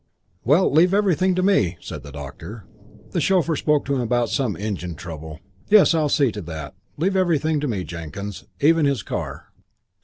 "Well, leave everything to me," said the doctor. The chauffeur spoke to him about some engine trouble. "Yes, I'll see to that. Leave everything to me, Jenkins." Even his car!